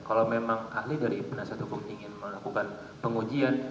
kalau memang ahli dari penasihat hukum ingin melakukan pengujian